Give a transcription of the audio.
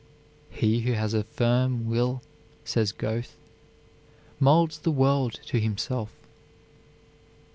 "He who has a firm will," says Goethe, "molds the world to himself."